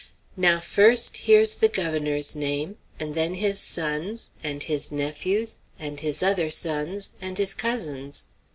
"Now, first, here's the governor's name; and then his son's, and his nephew's, and his other son's, and his cousin's.